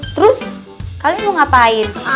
terus kalian mau ngapain